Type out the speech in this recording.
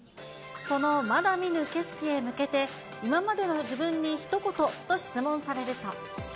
そのまだ見ぬ景色へ向けて、今までの自分にひと言と質問されると。